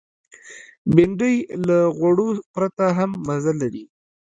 بېنډۍ له غوړو پرته هم مزه لري